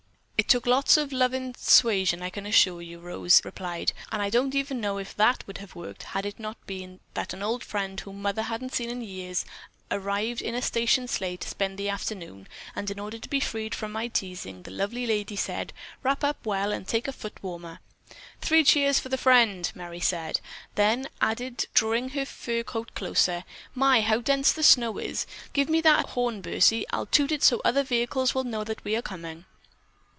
"It took lots of loving 'suasion', I can assure you." Rose replied. "And I don't even know if that would have worked had it not been that an old friend whom Mother hadn't seen in years arrived in a station sleigh to spend the afternoon, and in order to be freed from my teasing, the lovely lady said, 'Wrap up well and take a foot warmer.'" "Three cheers for the friend!" Merry said; then added, drawing her fur coat closer: "My, how dense the snow is! Give me that horn, Bursie; I'll toot so that other vehicles will know that we are coming."